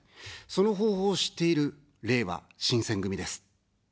その方法を知っている、れいわ新選組です。